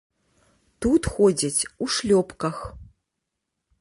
Тут ходзяць у шлёпках.